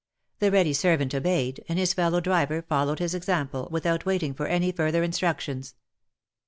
The ready servant obeyed, and his fellow driver followed his example, without waiting for any further instructions.